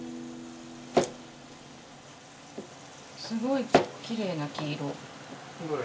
すごいきれいな黄色。どれ？